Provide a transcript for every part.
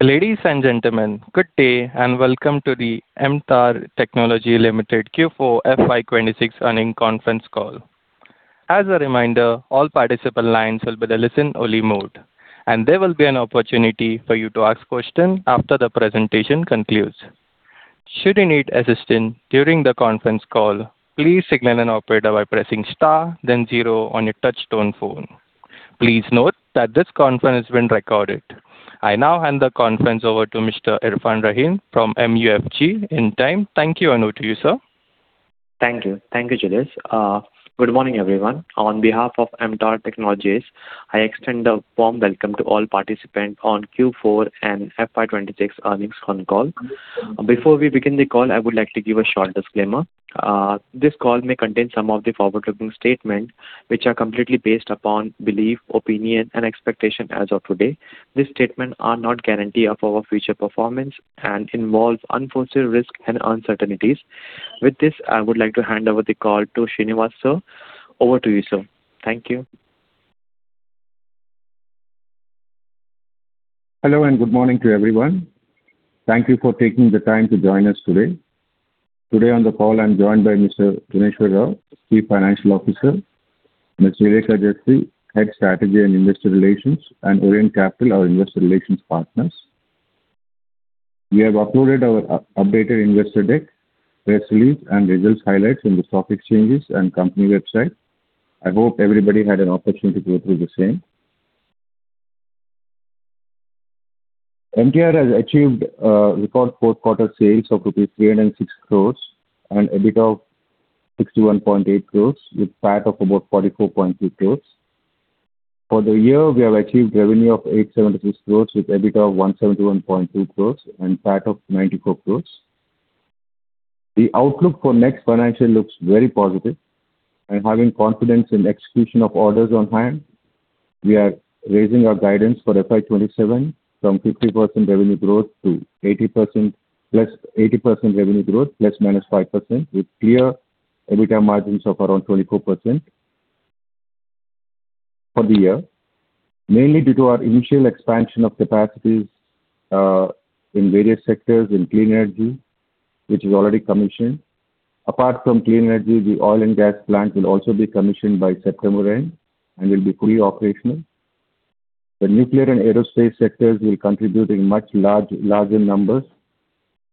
Ladies and gentlemen, good day and welcome to the MTAR Technologies Limited Q4 FY 2026 earnings conference call. As a reminder, all participant lines will be in a listen-only mode, and there will be an opportunity for you to ask questions after the presentation concludes. Should you need assistance during the conference call, please signal an operator by pressing star then zero on your touch tone phone. Please note that this conference is being recorded. I now hand the conference over to Mr. Irfan Rahim from MUFG. Thank you, and over to you, sir. Thank you. Thank you, Julius. Good morning, everyone. On behalf of MTAR Technologies, I extend a warm welcome to all participants on Q4 and FY 2026 earnings con call. Before we begin the call, I would like to give a short disclaimer. This call may contain some of the forward-looking statements which are completely based upon belief, opinion, and expectation as of today. These statements are not guarantee of our future performance and involves unforeseen risks and uncertainties. With this, I would like to hand over the call to Srinivas, sir. Over to you, sir. Thank you. Hello, and good morning to everyone. Thank you for taking the time to join us today. Today on the call I'm joined by Mr. Gunneswara Rao Pusarla, Chief Financial Officer, Ms. Srilekha Jasthi, Head - Strategy & Investor Relations, and Orient Capital, our investor relations partners. We have uploaded our updated investor deck, press release, and results highlights in the stock exchanges and company website. I hope everybody had an opportunity to go through the same. MTAR has achieved record fourth quarter sales of rupees 306 crores and EBITDA of 61.8 crores with PAT of about 44.2 crores. For the year, we have achieved revenue of 876 crores with EBITDA of 171.2 crores and PAT of 94 crores. The outlook for next financial looks very positive and having confidence in execution of orders on hand. We are raising our guidance for FY 2027 from 50% revenue growth to 80% plus 80% revenue growth, plus minus 5%, with clear EBITDA margins of around 24% for the year, mainly due to our initial expansion of capacities in various sectors in clean energy, which is already commissioned. Apart from clean energy, the oil and gas plant will also be commissioned by September end and will be fully operational. The nuclear and aerospace sectors will contribute in much larger numbers,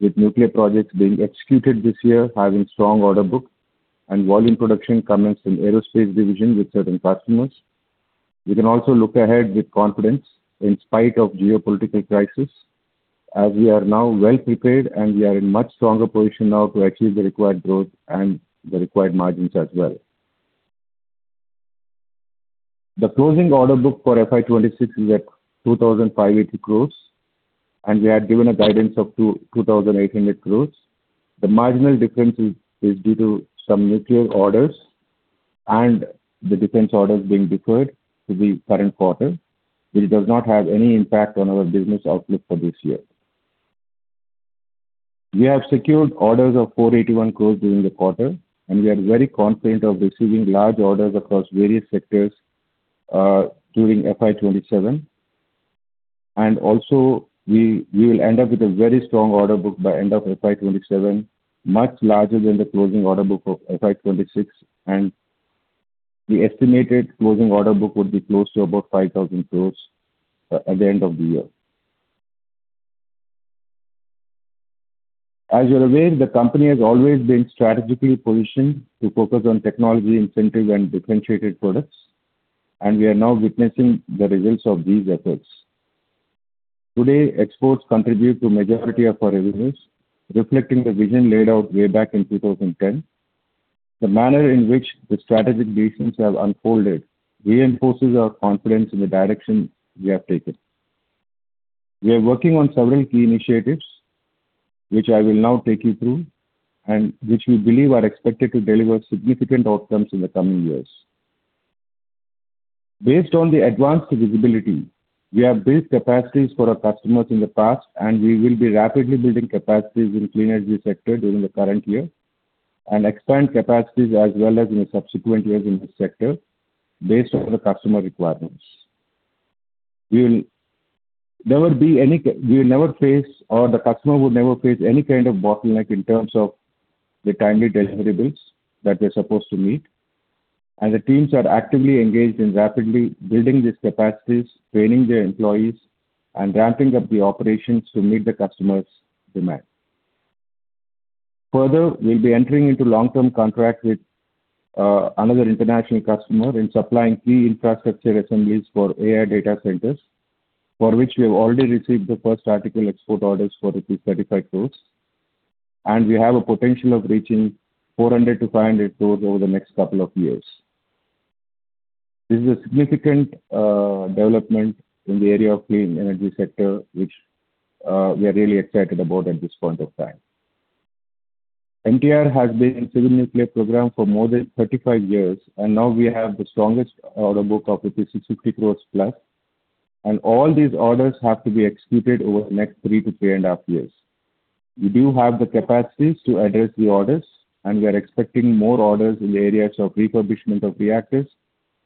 with nuclear projects being executed this year having strong order book and volume production commenced in aerospace division with certain customers. We can also look ahead with confidence in spite of geopolitical crisis, as we are now well prepared and we are in much stronger position now to achieve the required growth and the required margins as well. The closing order book for FY 2026 is at 2,580 crores. We had given a guidance of 2,800 crores. The marginal difference is due to some nuclear orders and the defense orders being deferred to the current quarter, which does not have any impact on our business outlook for this year. We have secured orders of 481 crores during the quarter. We are very confident of receiving large orders across various sectors during FY 2027. Also we will end up with a very strong order book by end of FY 2027, much larger than the closing order book of FY 2026. The estimated closing order book would be close to about 5,000 crores at the end of the year. As you're aware, the company has always been strategically positioned to focus on technology-intensive and differentiated products, and we are now witnessing the results of these efforts. Today, exports contribute to majority of our revenues, reflecting the vision laid out way back in 2010. The manner in which the strategic decisions have unfolded reinforces our confidence in the direction we have taken. We are working on several key initiatives, which I will now take you through, and which we believe are expected to deliver significant outcomes in the coming years. Based on the advanced visibility, we have built capacities for our customers in the past, and we will be rapidly building capacities in clean energy sector during the current year and expand capacities as well as in the subsequent years in this sector based on the customer requirements. We will never face or the customer would never face any kind of bottleneck in terms of the timely deliverables that we're supposed to meet. The teams are actively engaged in rapidly building these capacities, training their employees, and ramping up the operations to meet the customers' demand. Further, we'll be entering into long-term contract with another international customer in supplying key infrastructure assemblies for AI data centers, for which we have already received the first article export orders for rupees 35 crores. We have a potential of reaching 400-500 crores over the next couple of years. This is a significant development in the area of clean energy sector, which we are really excited about at this point of time. MTAR has been in civil nuclear program for more than 35 years. Now we have the strongest order book of 600 crores plus. All these orders have to be executed over the next 3 to 3.5 years. We do have the capacities to address the orders. We are expecting more orders in the areas of refurbishment of reactors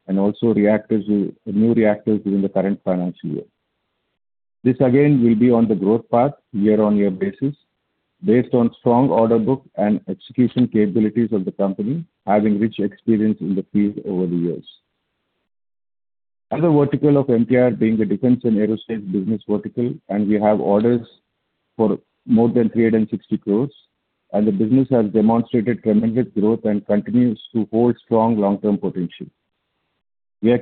and also new reactors within the current financial year. This again will be on the growth path year-over-year basis based on strong order book and execution capabilities of the company having rich experience in the field over the years. Other vertical of MTAR being the defense and aerospace business vertical. We have orders for more than 360 crores. The business has demonstrated tremendous growth and continues to hold strong long-term potential. We are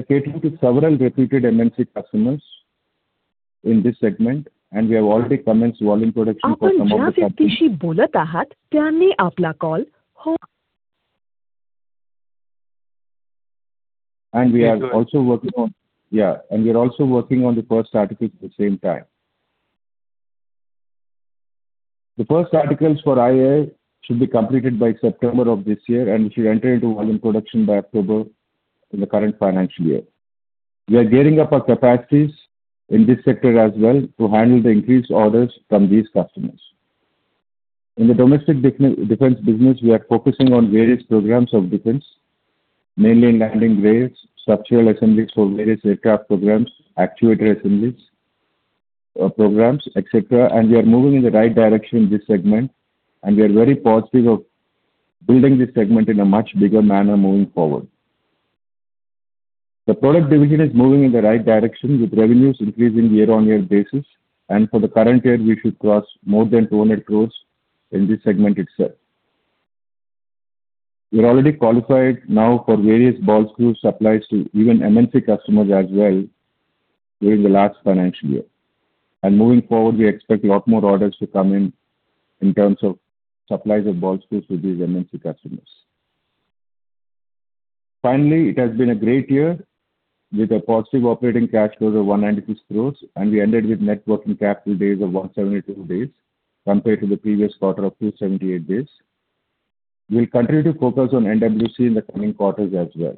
catering to several reputed MNC customers in this segment, and we have already commenced volume production for some of the customers. We are also working on the first articles at the same time. The first articles for IAI should be completed by September of this year and should enter into volume production by October in the current financial year. We are gearing up our capacities in this sector as well to handle the increased orders from these customers. In the domestic defense business, we are focusing on various programs of defense, mainly in landing gears, structural assemblies for various aircraft programs, actuator assemblies, programs, et cetera. We are moving in the right direction in this segment, and we are very positive of building this segment in a much bigger manner moving forward. The product division is moving in the right direction with revenues increasing year-over-year basis, and for the current year, we should cross more than 200 crores in this segment itself. We are already qualified now for various ball screw supplies to even MNC customers as well during the last financial year. Moving forward, we expect a lot more orders to come in in terms of supplies of ball screws with these MNC customers. Finally, it has been a great year with a positive operating cash flow of 150 crores, and we ended with net working capital days of 172 days compared to the previous quarter of 278 days. We'll continue to focus on NWC in the coming quarters as well.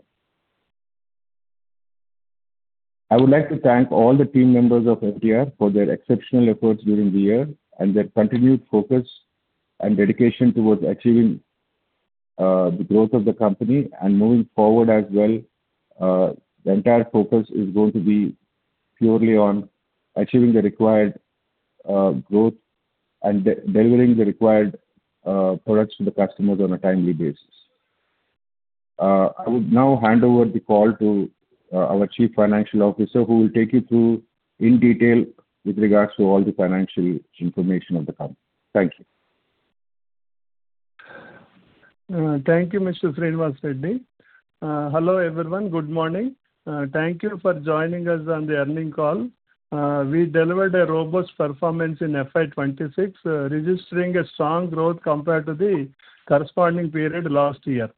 I would like to thank all the team members of MTAR for their exceptional efforts during the year and their continued focus and dedication towards achieving the growth of the company. Moving forward as well, the entire focus is going to be purely on achieving the required growth and delivering the required products to the customers on a timely basis. I would now hand over the call to our Chief Financial Officer, who will take you through in detail with regards to all the financial information of the company. Thank you. Thank you, Mr. Parvat Srinivas Reddy. Hello, everyone. Good morning. Thank you for joining us on the earning call. We delivered a robust performance in FY 2026, registering a strong growth compared to the corresponding period last year.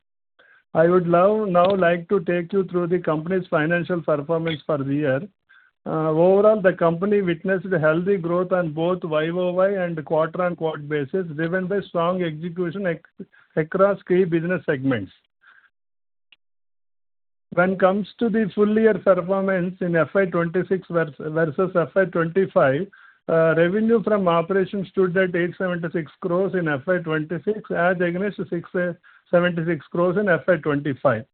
I would now like to take you through the company's financial performance for the year. Overall, the company witnessed healthy growth on both YOY and quarter-on-quarter basis, driven by strong execution across key business segments. When it comes to the full year performance in FY 2026 versus FY 2025, revenue from operations stood at 876 crores in FY 2026 as against 676 crores in FY 2025,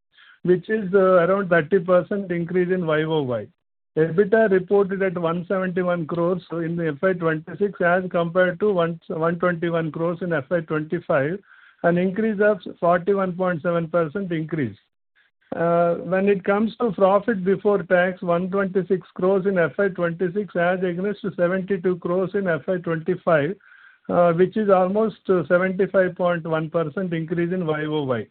which is around 30% increase in YOY. EBITDA reported at 171 crore in FY 2026 as compared to 121 crore in FY 2025, an increase of 41.7% increase. When it comes to profit before tax, 126 crore in FY 2026 as against 72 crore in FY 2025, which is almost 75.1% increase in YOY.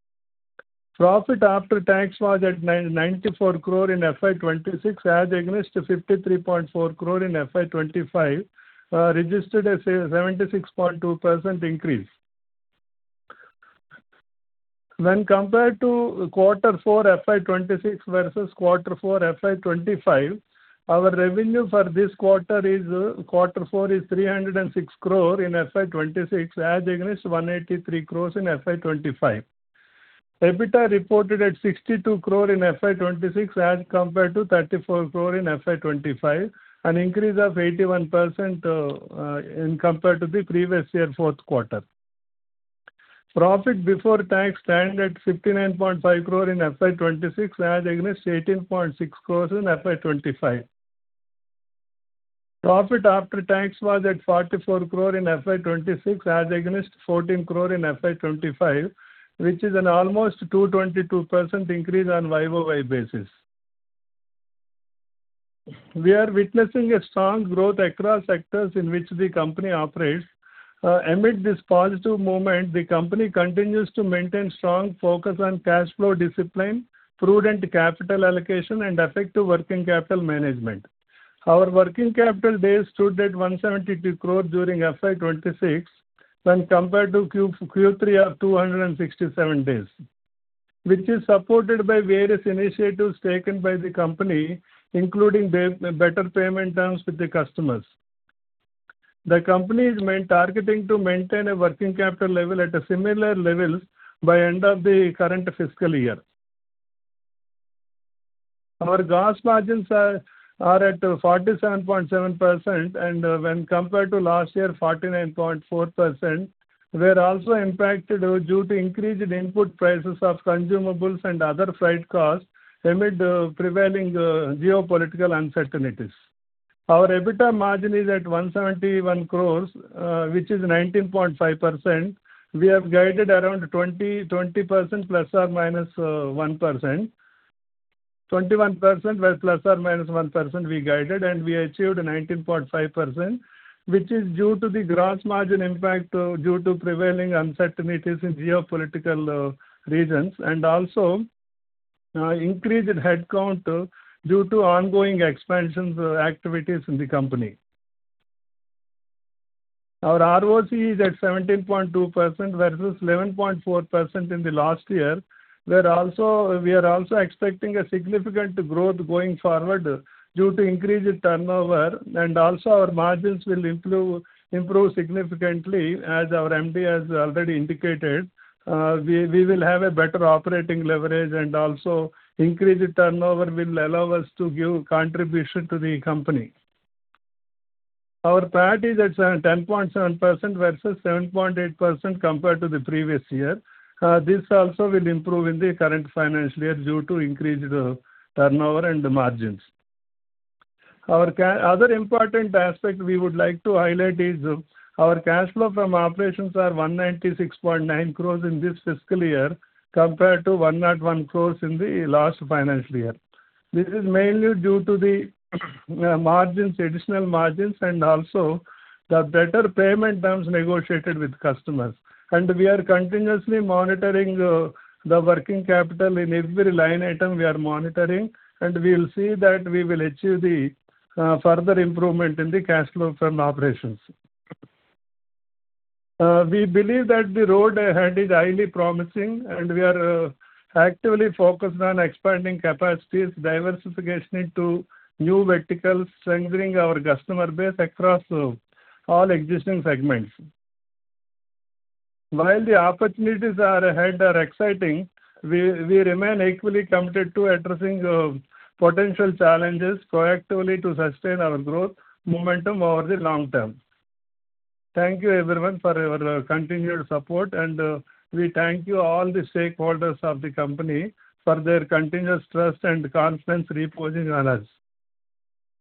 Profit after tax was at 94 crore in FY 2026 as against 53.4 crore in FY 2025, registered a 76.2% increase. When compared to quarter four FY 2026 versus quarter four FY 2025, our revenue for this quarter is, quarter four is 306 crore in FY 2026 as against 183 crore in FY 2025. EBITDA reported at 62 crore in FY 2026 as compared to 34 crore in FY 2025, an increase of 81% compared to the previous year Q4. Profit before tax stand at 59.5 crore in FY 2026 as against 18.6 crores in FY 2025. Profit after tax was at 44 crore in FY 2026 as against 14 crore in FY 2025, which is an almost 222% increase on YOY basis. We are witnessing a strong growth across sectors in which the company operates. Amid this positive momentum, the company continues to maintain strong focus on cash flow discipline, prudent capital allocation, and effective working capital management. Our working capital days stood at 172 crore during FY 2026 when compared to Q3 of 267 days, which is supported by various initiatives taken by the company, including better payment terms with the customers. The company is targeting to maintain a working capital level at a similar level by end of the current fiscal year. Our gross margins are at 47.7% and when compared to last year, 49.4%. We are also impacted due to increased input prices of consumables and other freight costs amid the prevailing geopolitical uncertainties. Our EBITDA margin is at 171 crore, which is 19.5%. We have guided around 20% ±1%. 21% where ±1% we guided. We achieved 19.5%, which is due to the gross margin impact due to prevailing uncertainties in geopolitical regions, and also increased headcount due to ongoing expansions activities in the company. Our ROC is at 17.2% versus 11.4% in the last year. We are also expecting a significant growth going forward due to increased turnover, and also our margins will improve significantly as our MD has already indicated. We will have a better operating leverage, and also increased turnover will allow us to give contribution to the company. Our PAT is at 10.7% versus 7.8% compared to the previous year. This also will improve in the current financial year due to increased turnover and margins. Other important aspect we would like to highlight is our cash flow from operations are 196.9 crores in this fiscal year compared to 101 crores in the last financial year. This is mainly due to the margins, additional margins, and also the better payment terms negotiated with customers. We are continuously monitoring the working capital. In every line item we are monitoring, and we will see that we will achieve the further improvement in the cash flow from operations. We believe that the road ahead is highly promising, and we are actively focused on expanding capacities, diversification into new verticals, strengthening our customer base across all existing segments. While the opportunities are ahead are exciting, we remain equally committed to addressing potential challenges proactively to sustain our growth momentum over the long term. Thank you everyone for your continued support. We thank you all the stakeholders of the company for their continuous trust and confidence reposing on us.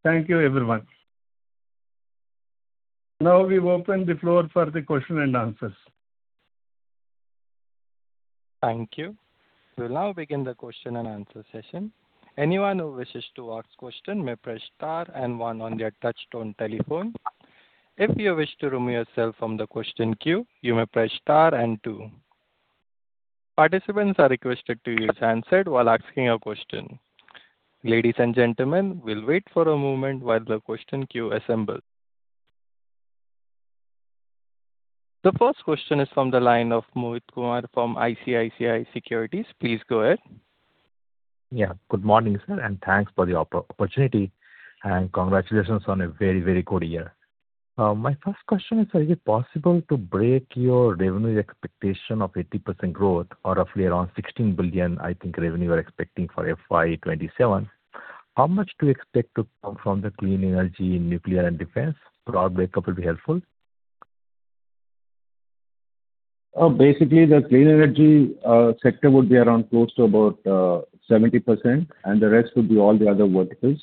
Thank you everyone. Now we open the floor for the question and answers. Thank you. We'll now begin the question-and-answer session. Anyone who wishes to ask question may press star and one on their touchtone telephone. If you wish to remove yourself from the question queue, you may press star and two. Participants are requested to use handset while asking a question. Ladies and gentlemen, we'll wait for a moment while the question queue assembles. The first question is from the line of Mohit Kumar from ICICI Securities. Please go ahead. Good morning, sir. Thanks for the opportunity and congratulations on a very, very good year. My first question is, are you possible to break your revenue expectation of 80% growth or roughly around 16 billion, I think revenue you're expecting for FY 2027. How much do you expect to come from the clean energy in nuclear and defense? Broad breakup will be helpful. Basically the clean energy sector would be around close to about 70%, and the rest would be all the other verticals.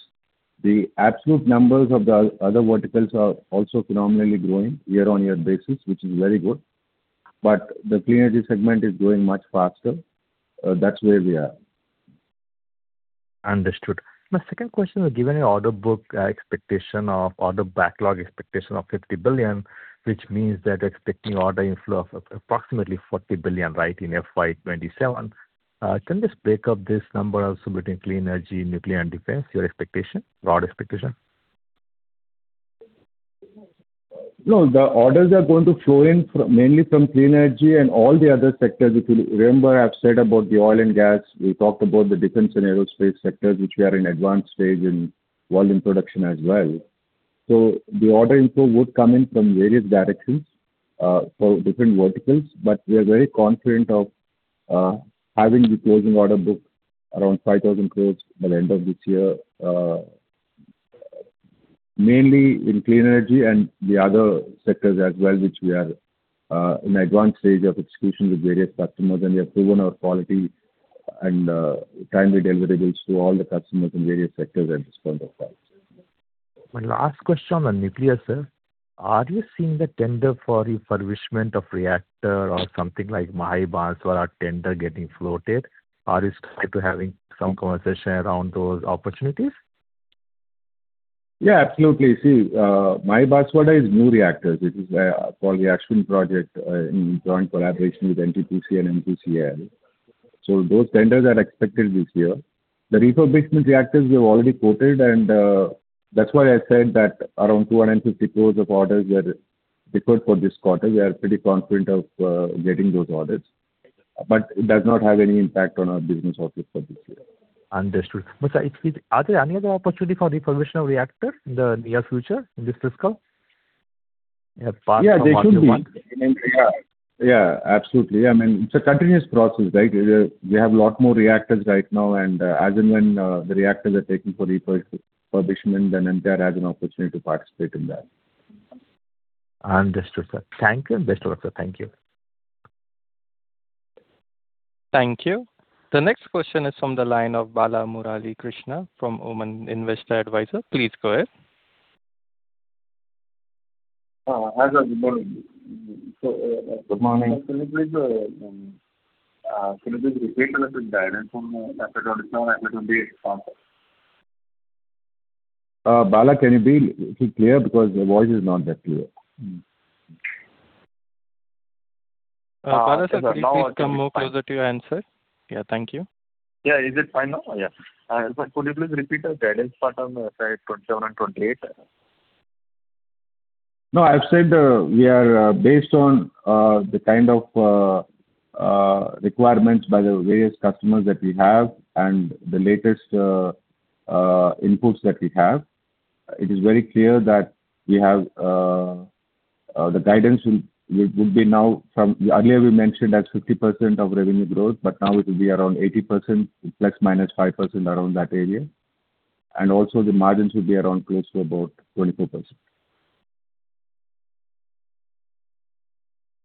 The absolute numbers of the other verticals are also phenomenally growing year-on-year basis, which is very good. The clean energy segment is growing much faster. That's where we are. Understood. My second question is, given your order book, expectation of order backlog of 50 billion, which means that expecting order inflow of approximately 40 billion, right, in FY 2027. Can you just break up this number also between clean energy, nuclear, and defense, your broad expectation? No, the orders are going to flow in mainly from clean energy and all the other sectors. If you remember, I've said about the oil and gas. We talked about the defense and aerospace sectors, which we are in advanced stage in volume production as well. The order inflow would come in from various directions for different verticals, but we are very confident of having the closing order book around 5,000 crore by the end of this year. mainly in clean energy and the other sectors as well, which we are in advanced stage of execution with various customers, and we have proven our quality and timely deliverables to all the customers in various sectors at this point of time. One last question on nuclear, sir. Are you seeing the tender for refurbishment of reactor or something like Mahi Banswara tender getting floated? Are you starting to having some conversation around those opportunities? Absolutely. See, Mahi Banswara is new reactors. It is called Reaction Project in joint collaboration with NTPC and NPCIL. Those tenders are expected this year. The refurbishment reactors we have already quoted and that's why I said that around 250 crores of orders were deferred for this quarter. We are pretty confident of getting those orders. It does not have any impact on our business outlook for this year. Understood. sir, Are there any other opportunity for refurbishment of reactor in the near future in this fiscal? Yeah, they should be. Yeah. Yeah, absolutely. I mean, it's a continuous process, right? We have a lot more reactors right now, and as and when the reactors are taken for refurbishment, then MTAR has an opportunity to participate in that. Understood, sir. Thank you. Thank you. The next question is from the line of Bala Murali Krishna from Oman Investment Advisors. Please go ahead. As of morning. Good morning. Could you please repeat the guidance on FY 2027, FY 2028? Bala, can you be clear? Because your voice is not that clear. Bala sir, could you please come more closer to your end, sir? Yeah, thank you. Yeah. Is it fine now? Yeah. Sir, could you please repeat the guidance part on FY 2027 and 2028? No, I've said, we are based on the kind of requirements by the various customers that we have and the latest inputs that we have, it is very clear that we have the guidance will be now from Earlier we mentioned that 50% of revenue growth, but now it will be around 80%, ±5% around that area. Also the margins will be around close to about 24%.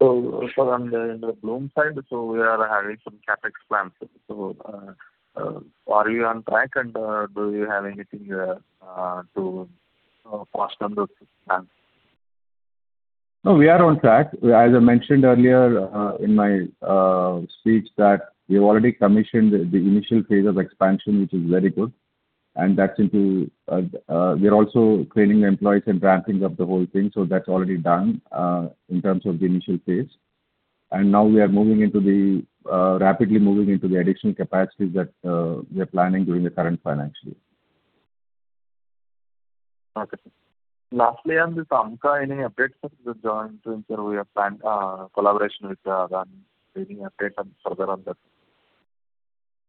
sir, on the Bloom side, so we are having some CapEx plans. Are you on track and do you have anything to pass on those plans? No, we are on track. As I mentioned earlier, in my speech that we have already commissioned the initial phase of expansion, which is very good. We are also training the employees and ramping up the whole thing. That's already done, in terms of the initial phase. Now we are rapidly moving into the additional capacities that, we are planning during the current financial year. Okay. Lastly, on this AMCA, any updates, sir? The joint venture we have planned, collaboration with, any update on further on that?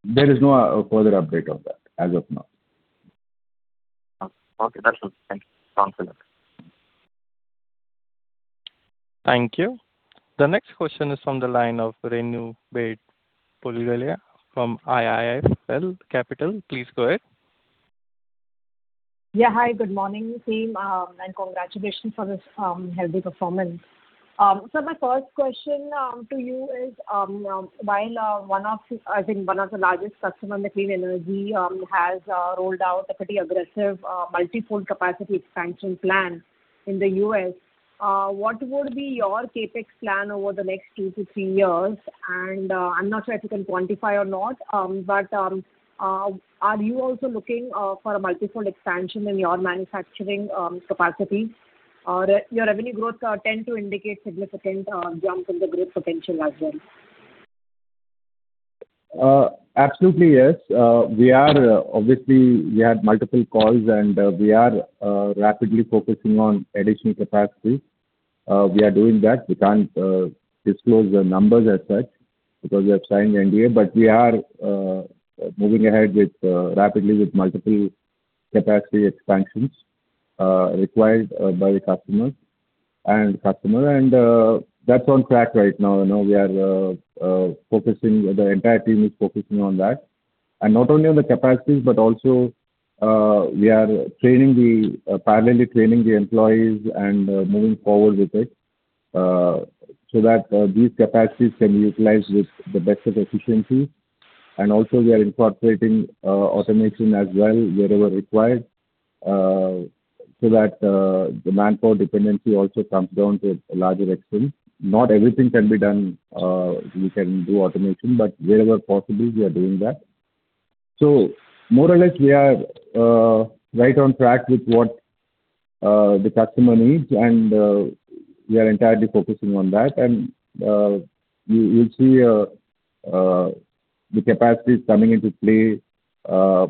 There is no further update on that as of now. Okay. That's all. Thank you. Thanks a lot. Thank you. The next question is from the line of Renu Baid Pugalia from IIFL Capital. Please go ahead. Hi, good morning team. Congratulations on this healthy performance. My first question to you is, while one of the largest customer, the clean energy, has rolled out a pretty aggressive multifold capacity expansion plan in the U.S., what would be your CapEx plan over the next 2-3 years? I'm not sure if you can quantify or not, are you also looking for a multifold expansion in your manufacturing capacity? Your revenue growth tend to indicate significant jump in the growth potential as well. Absolutely, yes. We are, obviously, we had multiple calls, we are rapidly focusing on additional capacity. We are doing that. We can't disclose the numbers as such because we have signed NDA, we are moving ahead with rapidly with multiple capacity expansions required by the customer. That's on track right now. You know, we are focusing, the entire team is focusing on that. Not only on the capacities, but also we are training the parallely training the employees moving forward with it so that these capacities can be utilized with the best of efficiency. Also we are incorporating automation as well wherever required so that the manpower dependency also comes down to a larger extent. Not everything can be done, we can do automation, but wherever possible we are doing that. More or less we are right on track with what the customer needs, and we are entirely focusing on that. You'll see the capacities coming into play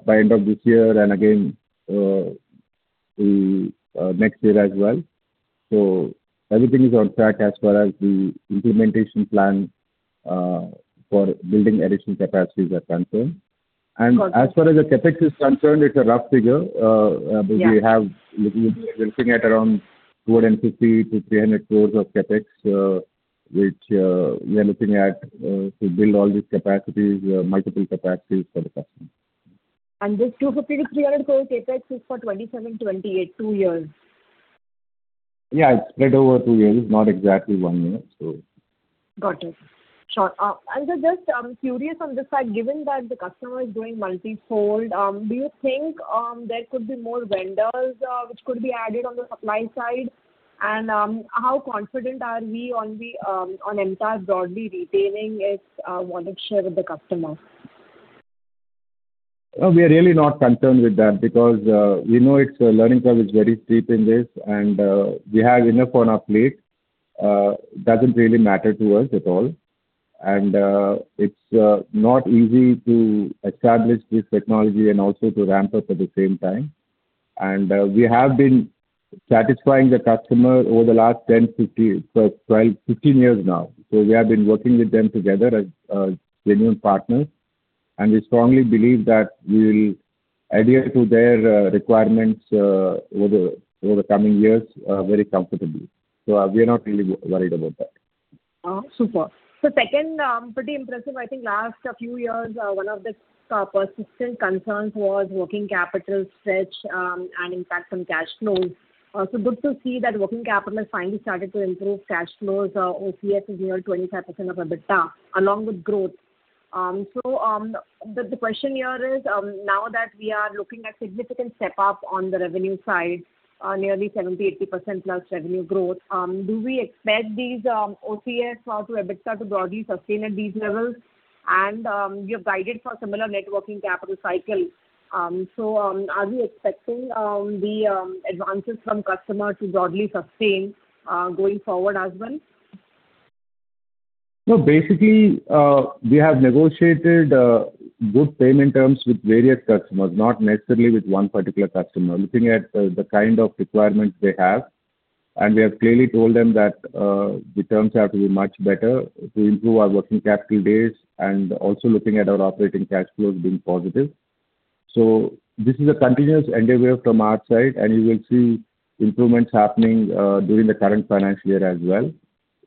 by end of this year and again the next year as well. Everything is on track as far as the implementation plan for building additional capacities are concerned. Got it. As far as the CapEx is concerned, it's a rough figure. Yeah. We have, we are looking at around 250-300 crores of CapEx, which, we are looking at, to build all these capacities, multiple capacities for the customer. This 250 crore-300 crore CapEx is for FY 2027, FY 2028, two years? Yeah, it's spread over two years, not exactly one year. Got it. Sure. Just, I'm curious on this side, given that the customer is doing multifold, do you think there could be more vendors which could be added on the supply side? How confident are we on the MTAR broadly retaining its wanted share with the customer? No, we are really not concerned with that because we know its learning curve is very steep in this and we have enough on our plate. It doesn't really matter to us at all. It's not easy to establish this technology and also to ramp up at the same time. We have been satisfying the customer over the last 10, 15, 12, 15 years now. We have been working with them together as genuine partners. And we strongly believe that we'll adhere to their requirements over the coming years very comfortably. We are not really worried about that. Oh, super. Second, pretty impressive, I think last a few years, one of the persistent concerns was working capital stretch, and impact on cash flows. Good to see that working capital has finally started to improve cash flows. OCF is near 25% of EBITDA along with growth. The question here is, now that we are looking at significant step up on the revenue side, nearly 70%, 80% plus revenue growth, do we expect these OCF or to EBITDA to broadly sustain at these levels? You've guided for similar net working capital cycle. Are we expecting the advances from customer to broadly sustain going forward as well? Basically, we have negotiated good payment terms with various customers, not necessarily with one particular customer. Looking at the kind of requirements they have, and we have clearly told them that the terms have to be much better to improve our working capital days and also looking at our operating cash flows being positive. This is a continuous endeavor from our side, and you will see improvements happening during the current financial year as well.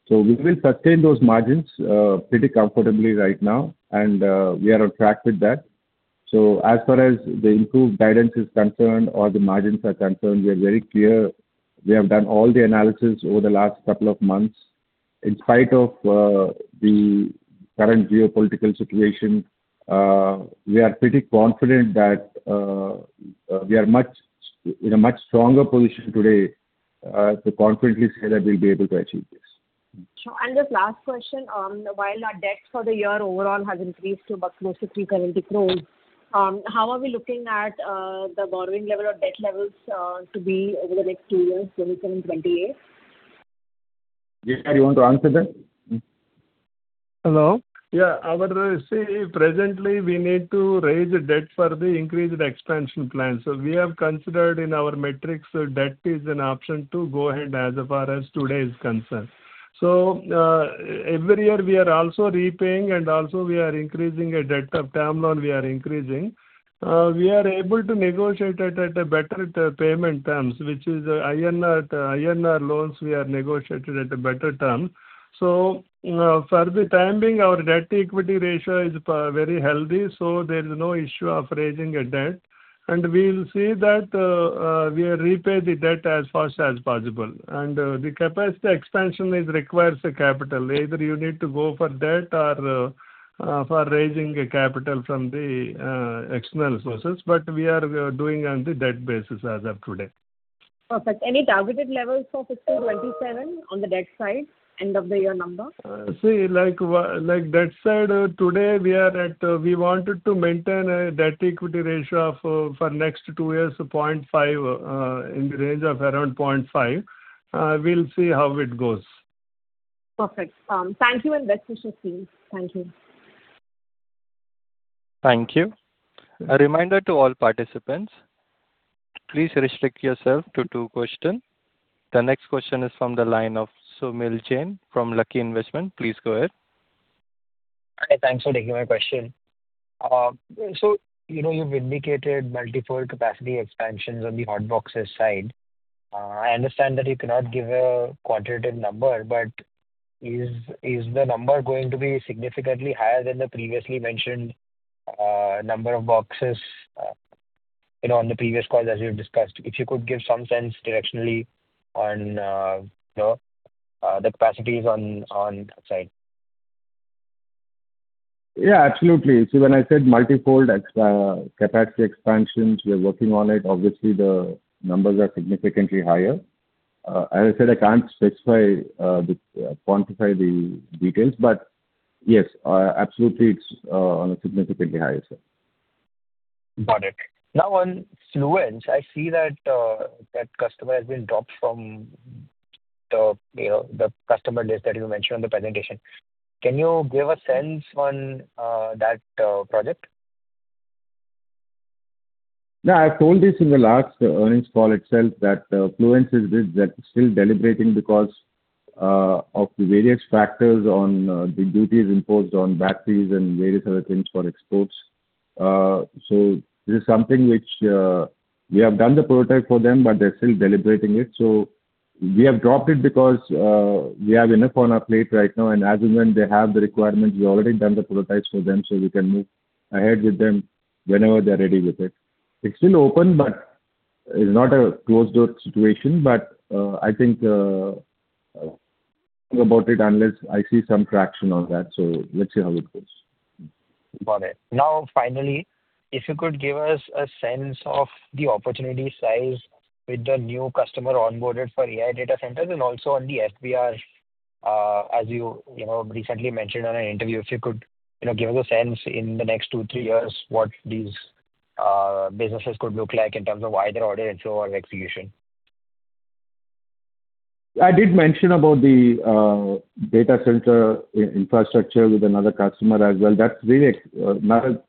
We will sustain those margins pretty comfortably right now and we are on track with that. As far as the improved guidance is concerned or the margins are concerned, we are very clear. We have done all the analysis over the last couple of months. In spite of the current geopolitical situation, we are pretty confident that we are in a much stronger position today to confidently say that we'll be able to achieve this. Sure. Just last question. While our debt for the year overall has increased to approximately 67 crores, how are we looking at the borrowing level or debt levels to be over the next two years, 2027, 2028? Gunneswara, you want to answer that? Mm-hmm. Hello. Yeah, presently we need to raise debt for the increased expansion plan. We have considered in our metrics, debt is an option to go ahead as far as today is concerned. Every year we are also repaying and also we are increasing a debt of term loan we are increasing. We are able to negotiate it at a better payment terms, which is INR loans we have negotiated at a better term. For the time being our debt equity ratio is very healthy, so there is no issue of raising a debt. We will see that we repay the debt as fast as possible. The capacity expansion requires a capital. Either you need to go for debt or for raising a capital from the external sources. We are doing on the debt basis as of today. Perfect. Any targeted levels for FY 2027 on the debt side, end of the year number? See, like debt side, today we are at, we wanted to maintain a debt equity ratio of for next 2 years, 0.5, in the range of around 0.5. We'll see how it goes. Perfect. Thank you and best wishes to you. Thank you. Thank you. A reminder to all participants, please restrict yourself to two question. The next question is from the line of Soumil Jain from Lucky Investments. Please go ahead. Hi. Thanks for taking my question. You know, you've indicated multifold capacity expansions on the Hot Boxes side. I understand that you cannot give a quantitative number, but is the number going to be significantly higher than the previously mentioned number of boxes, you know, on the previous calls as you've discussed? If you could give some sense directionally on, you know, the capacities on that side. Yeah, absolutely. When I said multifold capacity expansions, we are working on it. Obviously the numbers are significantly higher. As I said, I can't specify, quantify the details, yes, absolutely it's on a significantly higher side. Got it. On Fluence, I see that customer has been dropped from the, you know, the customer list that you mentioned on the presentation. Can you give a sense on, that, project? I've told this in the last earnings call itself that Fluence is with, they're still deliberating because of the various factors on the duties imposed on batteries and various other things for exports. This is something which we have done the prototype for them, but they're still deliberating it. We have dropped it because we have enough on our plate right now. As and when they have the requirement, we've already done the prototypes for them, so we can move ahead with them whenever they're ready with it. It's still open, but it's not a closed door situation. I think about it unless I see some traction on that. Let's see how it goes. Got it. Finally, if you could give us a sense of the opportunity size with the new customer onboarded for AI data centers and also on the FBR, as you know, recently mentioned on an interview. If you could, you know, give us a sense in the next two, three years what these businesses could look like in terms of order inflow or execution. I did mention about the data center infrastructure with another customer as well. That's really a milestone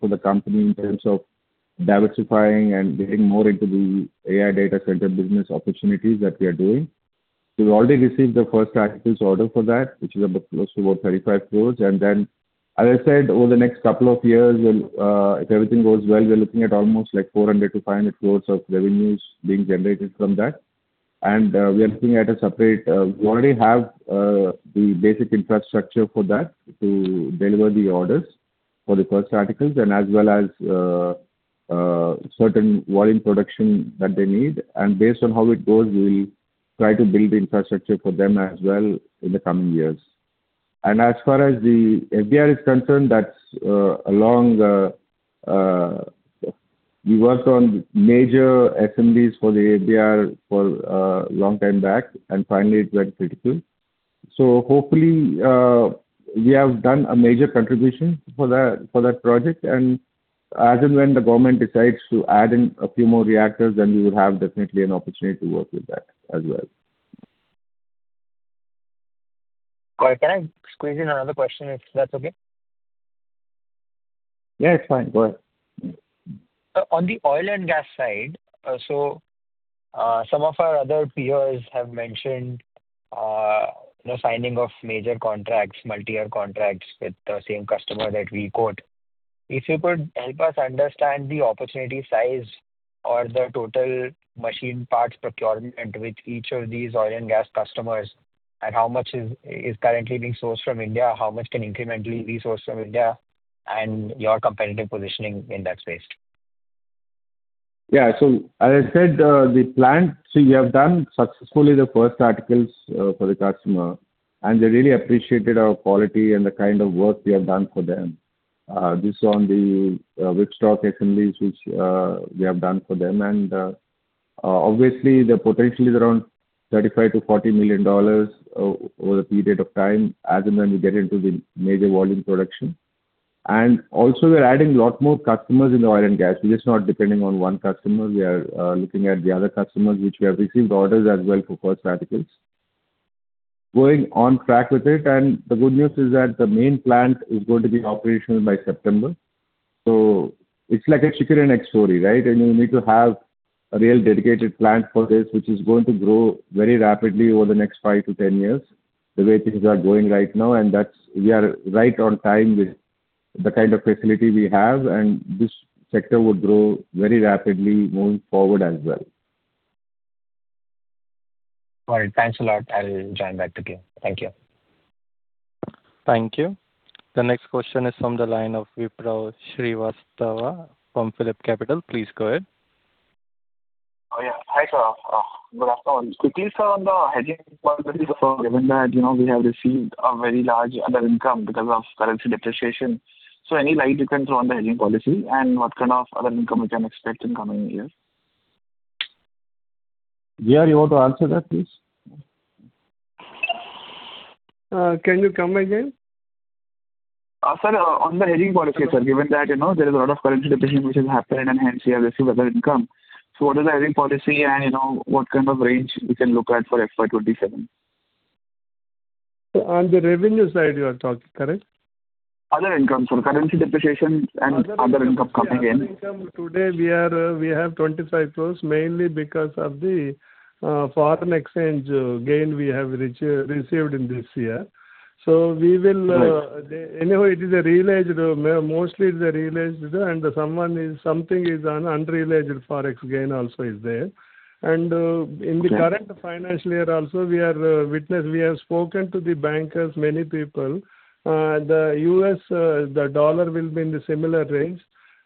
for the company in terms of diversifying and getting more into the AI data center business opportunities that we are doing. We've already received the first articles order for that, which is about close to about 35 crores. As I said, over the next couple of years, we'll, if everything goes well, we're looking at almost like 400 crores-500 crores of revenues being generated from that. We are looking at a separate, we already have the basic infrastructure for that to deliver the orders for the first articles and as well as certain volume production that they need. Based on how it goes, we will try to build the infrastructure for them as well in the coming years. As far as the PFBR is concerned, We worked on major assemblies for the PFBR for a long time back, and finally it went critical. Hopefully, we have done a major contribution for that, for that project. As and when the government decides to add in a few more reactors, then we would have definitely an opportunity to work with that as well. Got it. Can I squeeze in another question, if that's okay? Yeah, it's fine. Go ahead. On the oil and gas side, so, some of our other peers have mentioned, you know, signing of major contracts, multi-year contracts with the same customer that we quote. If you could help us understand the opportunity size or the total machine parts procurement with each of these oil and gas customers, and how much is currently being sourced from India, how much can incrementally be sourced from India, and your competitive positioning in that space? Yeah. As I said, we have done successfully the first articles for the customer, and they really appreciated our quality and the kind of work we have done for them. This on the whipstock assemblies which we have done for them. Obviously, the potential is around $35 million-$40 million over the period of time as and when we get into the major volume production. Also we are adding a lot more customers in the oil and gas. We're just not depending on one customer. We are looking at the other customers, which we have received orders as well for first articles. Going on track with it, and the good news is that the main plant is going to be operational by September. It's like a chicken and egg story, right? You need to have a real dedicated plant for this, which is going to grow very rapidly over the next 5 to 10 years, the way things are going right now. We are right on time with the kind of facility we have, and this sector would grow very rapidly moving forward as well. All right. Thanks a lot. I will join back again. Thank you. Thank you. The next question is from the line of Vipraw Srivastava from Phillip Capital. Please go ahead. Yeah. Hi, sir. Good afternoon. Quickly, sir, on the hedging policy, sir, given that, you know, we have received a very large other income because of currency depreciation. Any light you can throw on the hedging policy and what kind of other income we can expect in coming years? VR, you want to answer that, please? Can you come again? Sir, on the hedging policy, sir, given that, you know, there is a lot of currency depreciation which has happened and hence we have received other income. What is the hedging policy and, you know, what kind of range we can look at for FY 2027? On the revenue side you are talking, correct? Other income, sir. Currency depreciation and other income coming in. Other income. Today we have 25 crores, mainly because of the foreign exchange gain we have received in this year. Right. Anyhow, it is a realized, mostly it's a realized, and something is an unrealized Forex gain also is there. In the current financial year also, we have spoken to the bankers, many people. The U.S. dollar will be in the similar range,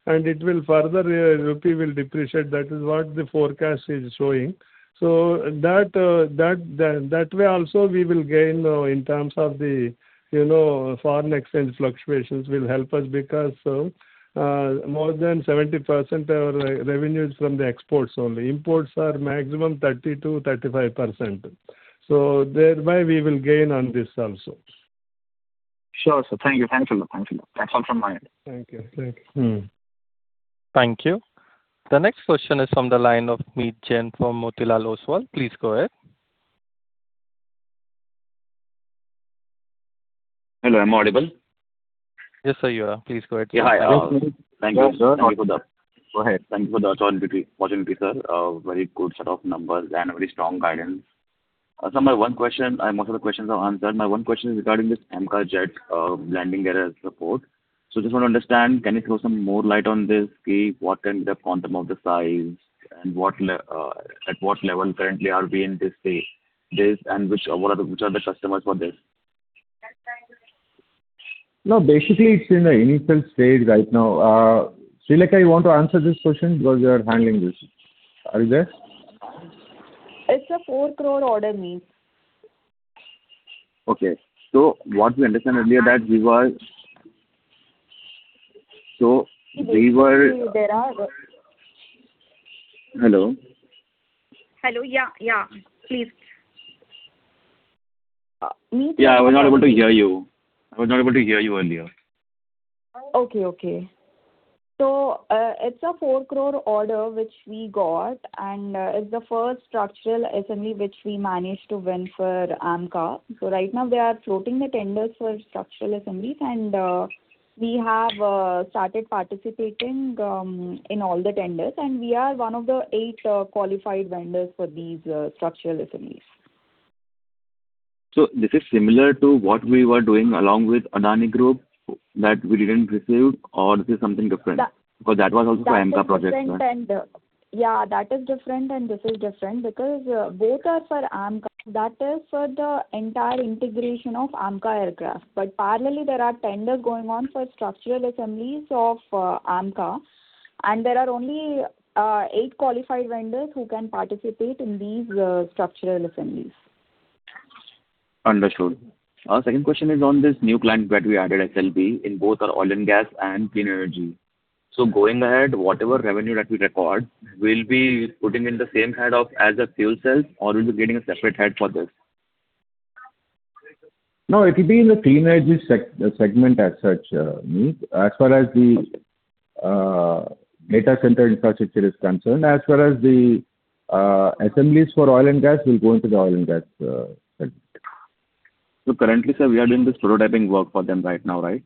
and it will further, rupee will depreciate. That is what the forecast is showing. That way also we will gain in terms of the, you know, foreign exchange fluctuations will help us because more than 70% our re-revenue is from the exports only. Imports are maximum 30%-35%. Thereby we will gain on this also. Sure, sir. Thank you. Thanks a lot. Thanks a lot. That's all from my end. Thank you. Thank you. Thank you. The next question is from the line of Meet Jain from Motilal Oswal. Please go ahead. Hello, am I audible? Yes, sir, you are. Please go ahead. Yeah. Hi. Thank you. Yes, sir. Go ahead. Thank you for the opportunity, sir. Very good set of numbers and very strong guidance. My one question Most of the questions are answered. My one question is regarding this AMCA jet, landing gear support. Just want to understand, can you throw some more light on this? Okay, what can the quantum of the size and at what level currently are we in this stage, this and which are the customers for this? Basically it's in the initial stage right now. Sumit, you want to answer this question because you are handling this. Are you there? It's a INR 4 crore order, Meet. Okay. Hello? Hello. Yeah. Yeah. Please. Yeah, I was not able to hear you. I was not able to hear you earlier. Okay. Okay. It's a 4 crore order which we got, and it's the first structural assembly which we managed to win for AMCA. Right now we are floating the tenders for structural assemblies and we have started participating in all the tenders, and we are one of the eight qualified vendors for these structural assemblies. This is similar to what we were doing along with Adani Group that we didn't receive or this is something different? That was also for AMCA project. That is different, and this is different because those are for AMCA. That is for the entire integration of AMCA aircraft. Parallelly, there are tenders going on for structural assemblies of AMCA, and there are only eight qualified vendors who can participate in these structural assemblies. Understood. Our second question is on this new client that we added, SLB, in both our oil and gas and clean energy. Going ahead, whatever revenue that we record, we'll be putting in the same head of as a fuel cell or we'll be getting a separate head for this? It will be in the clean energy segment as such, Meet. As far as the data center infrastructure is concerned, as far as the assemblies for oil and gas will go into the oil and gas segment. Currently, sir, we are doing this prototyping work for them right now, right?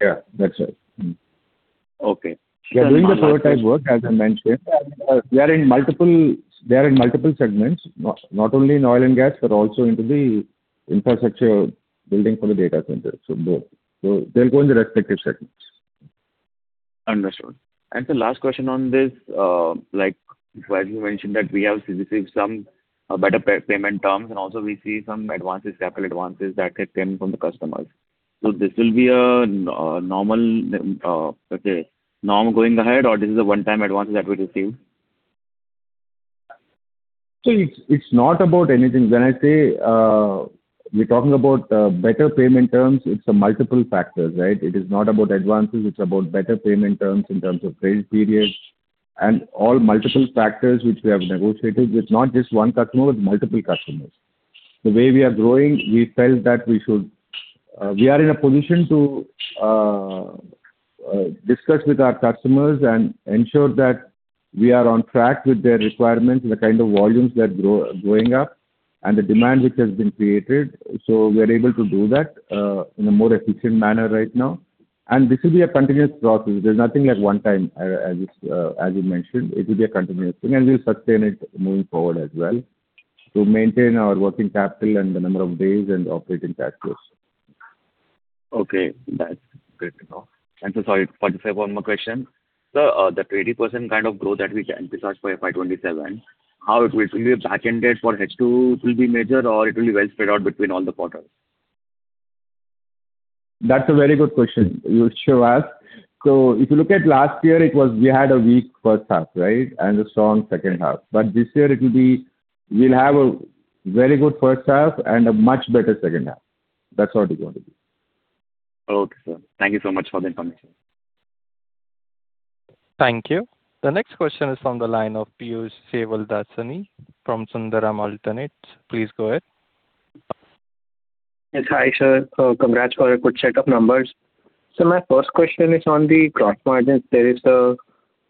Yeah, that's it. Okay. We are doing the prototype work, as I mentioned. We are in multiple segments, not only in oil and gas, but also into the infrastructure building for the data center. Both. They'll go in the respective segments. Understood. Last question on this, like as you mentioned that we have received some better payment terms, also we see some advances, capital advances that had come from the customers. This will be a normal, let's say, norm going ahead, or this is a one-time advance that we received? See, it's not about anything. When I say, we're talking about better payment terms, it's multiple factors, right? It is not about advances, it's about better payment terms in terms of trade periods and all multiple factors which we have negotiated. It's not just one customer, it's multiple customers. The way we are growing, we felt that we should we are in a position to discuss with our customers and ensure that we are on track with their requirements, the kind of volumes that grow, growing up, and the demand which has been created. We are able to do that in a more efficient manner right now. This will be a continuous process. There's nothing like one time, as you mentioned. It will be a continuous thing, and we'll sustain it moving forward as well to maintain our working capital and the number of days and operating cash flows. Okay. That's good to know. Sorry for just one more question. Sir, the 20% kind of growth that we can emphasize for FY 2027, how it will be backended for H2, it will be major or it will be well spread out between all the quarters? That's a very good question you asked. If you look at last year, we had a weak first half, right? A strong second half. This year we'll have a very good first half and a much better second half. That's what it's going to be. Okay, sir. Thank you so much for the information. Thank you. The next question is from the line of Piyush Sevaldasani from Sundaram Alternates. Please go ahead. Yes. Hi, sir. Congrats for a good set of numbers. My first question is on the gross margins. There is a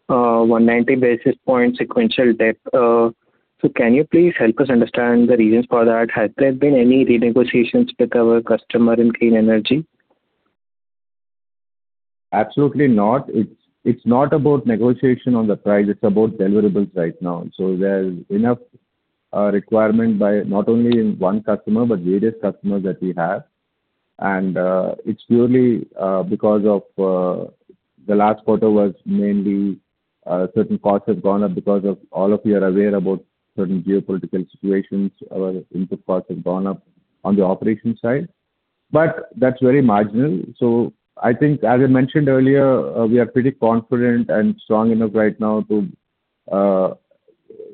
190 basis point sequential dip. Can you please help us understand the reasons for that? Has there been any renegotiations with our customer in clean energy? Absolutely not. It's not about negotiation on the price, it's about deliverables right now. There's enough requirement by not only in one customer, but various customers that we have. It's purely because of the last quarter was mainly certain costs have gone up because of all of you are aware about certain geopolitical situations. Our input costs have gone up on the operations side. That's very marginal. I think, as I mentioned earlier, we are pretty confident and strong enough right now to, you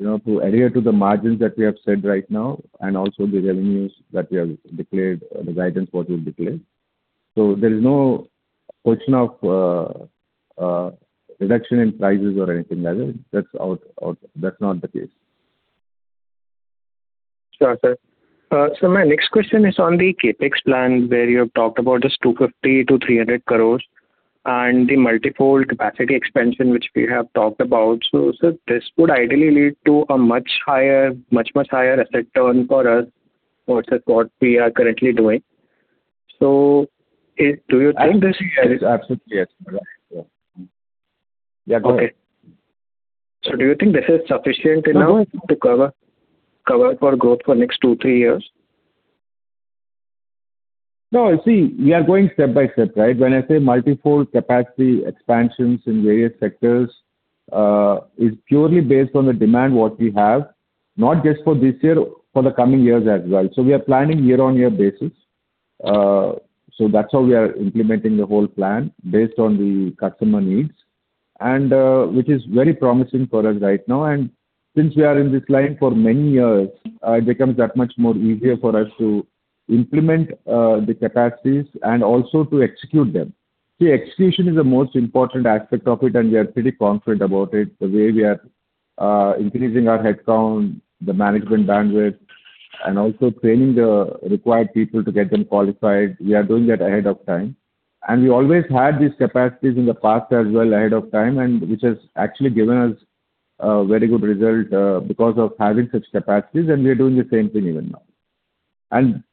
know, to adhere to the margins that we have said right now, and also the revenues that we have declared, the guidance what we've declared. There is no question of reduction in prices or anything like that. That's out. That's not the case. Sure, sir. My next question is on the CapEx plan where you have talked about this 250-300 crore and the multifold capacity expansion which we have talked about. Sir, this would ideally lead to a much higher asset turn for us versus what we are currently doing. Do you think this? I think so. Yeah. Absolutely, yes. Right. Yeah. Okay. Do you think this is sufficient enough to cover for growth for next two, three years? See, we are going step by step, right? When I say multifold capacity expansions in various sectors, is purely based on the demand what we have, not just for this year, for the coming years as well. We are planning year-on-year basis. That's how we are implementing the whole plan based on the customer needs and, which is very promising for us right now. Since we are in this line for many years, it becomes that much more easier for us to implement the capacities and also to execute them. See, execution is the most important aspect of it. We are pretty confident about it. The way we are increasing our headcount, the management bandwidth, and also training the required people to get them qualified. We are doing that ahead of time. We always had these capacities in the past as well ahead of time, and which has actually given us a very good result, because of having such capacities, and we are doing the same thing even now.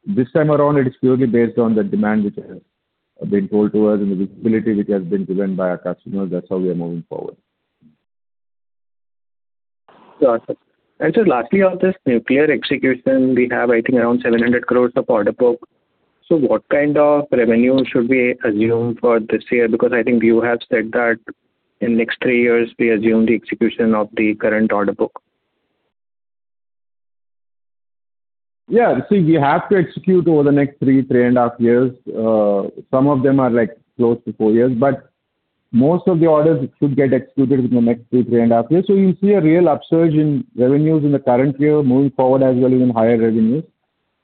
This time around it is purely based on the demand which has been told to us and the visibility which has been given by our customers. That's how we are moving forward. Sure. Sir, lastly, on this nuclear execution, we have, I think, around 700 crores of order book. What kind of revenue should we assume for this year? I think you have said that in next three years we assume the execution of the current order book. We have to execute over the next 3 and a half years. Some of them are like close to 4 years, but most of the orders should get executed within the next 2, 3 and a half years. You'll see a real upsurge in revenues in the current year moving forward as well as in higher revenues.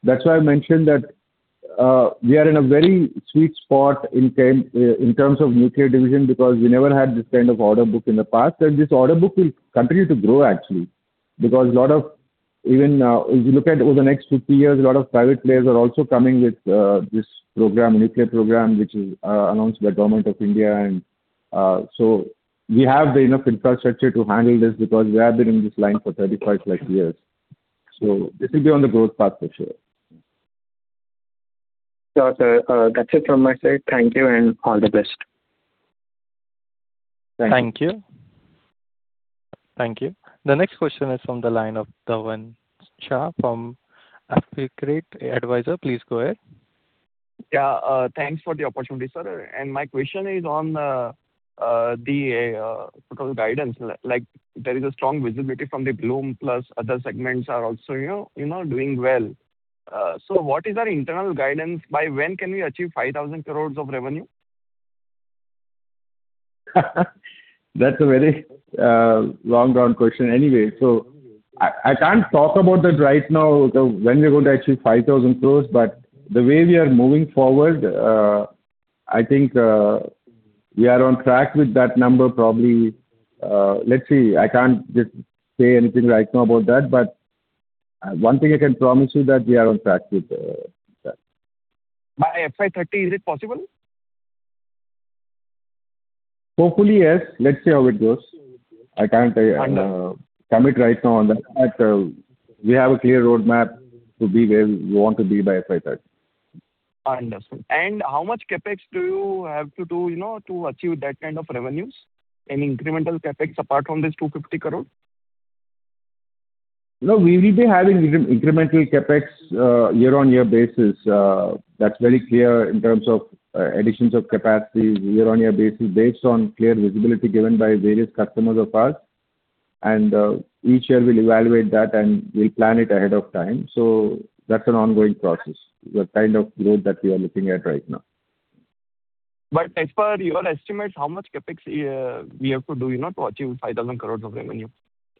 That's why I mentioned that we are in a very sweet spot in terms of nuclear division because we never had this kind of order book in the past. This order book will continue to grow actually, because even if you look at over the next 2, 3 years, a lot of private players are also coming with this program, nuclear program, which is announced by the Government of India. We have the enough infrastructure to handle this because we have been in this line for 35 plus years. This will be on the growth path for sure. Sure, sir. That's it from my side. Thank you and all the best. Thank you. Thank you. The next question is from the line of Dhavan Shah from AlfAccurate Advisors. Please go ahead. Yeah. thanks for the opportunity, sir. My question is on the total guidance. Like, there is a strong visibility from the Bloom plus other segments are also, you know, doing well. What is our internal guidance? By when can we achieve 5,000 crores of revenue? That's a very long run question. Anyway, I can't talk about that right now when we're going to achieve 5,000 crores. The way we are moving forward, I think we are on track with that number probably. Let's see. I can't just say anything right now about that, but one thing I can promise you that we are on track with that. By FY 2030, is it possible? Hopefully, yes. Let's see how it goes. Understood. Commit right now on that. We have a clear roadmap to be where we want to be by FY30. Understood. How much CapEx do you have to do, you know, to achieve that kind of revenues? Any incremental CapEx apart from this 250 crore? We will be having incremental CapEx year-on-year basis. That's very clear in terms of additions of capacities year on year basis based on clear visibility given by various customers of ours. Each year we'll evaluate that and we'll plan it ahead of time. That's an ongoing process, the kind of growth that we are looking at right now. As per your estimates, how much CapEx we have to do, you know, to achieve 5,000 crore of revenue?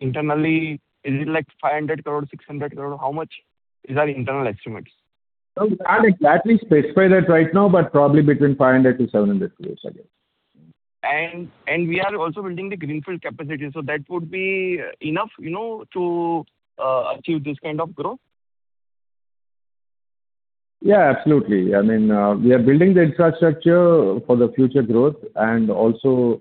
Internally, is it like 500 crore, 600 crore? How much is our internal estimates? No, we can't exactly specify that right now, but probably between 500 crores-700 crores, I guess. We are also building the greenfield capacity, so that would be enough, you know, to achieve this kind of growth? Yeah, absolutely. I mean, we are building the infrastructure for the future growth and also,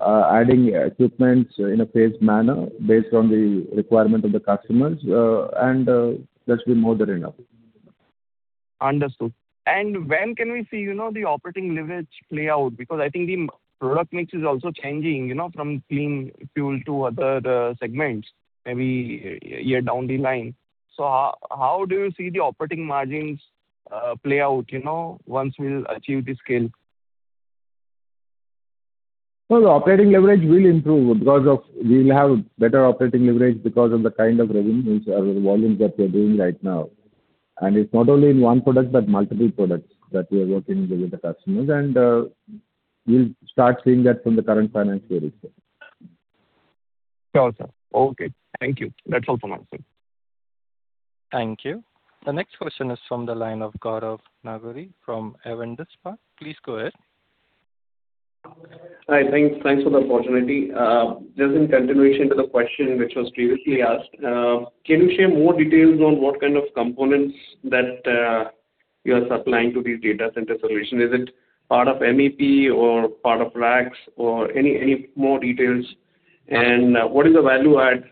adding equipment in a phased manner based on the requirement of the customers. That should be more than enough. Understood. When can we see, you know, the operating leverage play out? I think the product mix is also changing, you know, from clean fuel to other segments maybe a year down the line. How do you see the operating margins play out, you know, once we'll achieve the scale? No, the operating leverage will improve. We'll have better operating leverage because of the kind of revenues or volumes that we're doing right now. It's not only in one product, but multiple products that we are working with the customers. We'll start seeing that from the current financial year itself. Sure, sir. Okay. Thank you. That's all from my side. Thank you. The next question is from the line of Gaurav Nagori from Avendus Spark. Please go ahead. Hi. Thanks, thanks for the opportunity. Just in continuation to the question which was previously asked, can you share more details on what kind of components that you are supplying to these data center solution? Is it part of MEP or part of racks or any more details? What is the value add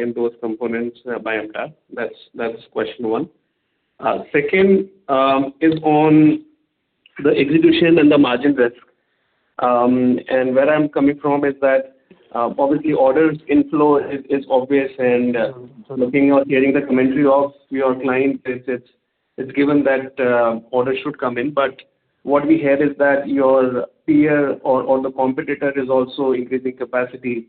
in those components by MTAR? That's question one. Second is on the execution and the margin risk. Where I'm coming from is that obviously orders inflow is obvious, looking or hearing the commentary of your client, it's given that orders should come in. What we hear is that your peer or the competitor is also increasing capacity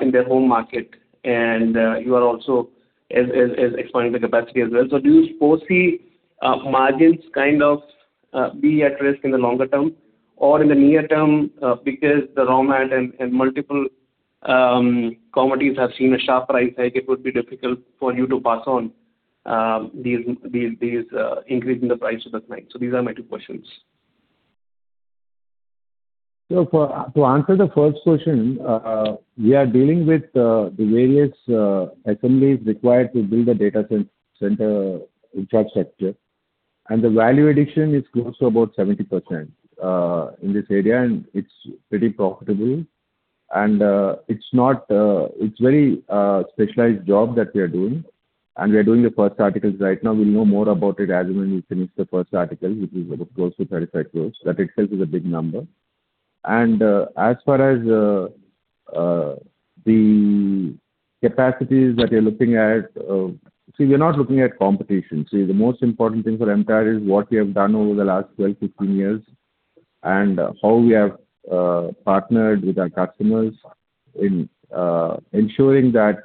in their home market, you are also expanding the capacity as well. Do you foresee margins kind of be at risk in the longer term or in the near term, because the raw mat and multiple commodities have seen a sharp price hike, it would be difficult for you to pass on these increase in the price to the client. These are my two questions. To answer the first question, we are dealing with the various assemblies required to build a data center infrastructure, and the value addition is close to about 70% in this area, and it is pretty profitable. It is very specialized job that we are doing, and we are doing the first articles right now. We will know more about it as and when we finish the first article, which is close to 35 crores. That itself is a big number. As far as the capacities that we are looking at, see, we are not looking at competition. See, the most important thing for MTAR is what we have done over the last 12, 15 years, and how we have partnered with our customers in ensuring that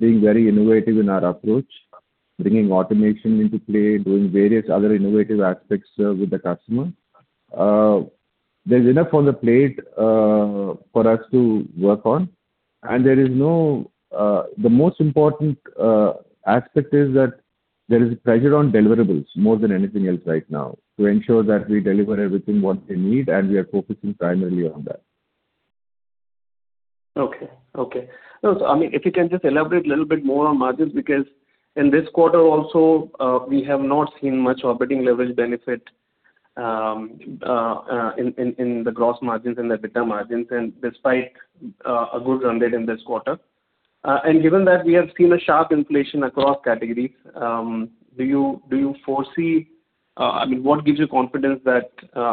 being very innovative in our approach, bringing automation into play, doing various other innovative aspects with the customer. There's enough on the plate for us to work on. The most important aspect is that there is pressure on deliverables more than anything else right now to ensure that we deliver everything what they need, and we are focusing primarily on that. Okay. Okay. I mean, if you can just elaborate a little bit more on margins, because in this quarter also, we have not seen much operating leverage benefit in the gross margins and EBITDA margins despite a good run rate in this quarter. Given that we have seen a sharp inflation across categories, I mean, do you foresee what gives you confidence that